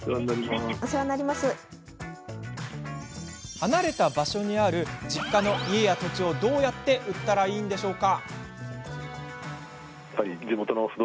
離れた場所にある実家の家や土地を、どうやって売ったらいいんでしょうか？